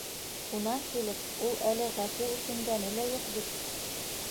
Унан килеп, ул әле ғәфү үтенгәне лә юҡ бит!..